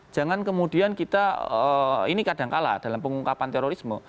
jangan kemudian kita ini kadangkala dalam pengungkapan terorisme